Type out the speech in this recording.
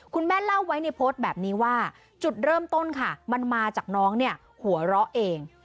คุณแม่เล่าไว้ในโพสต์แบบนี้ว่าจุดเริ่มต้นค่ะมันมาจากน้องเนี่ยหัวเราะเอง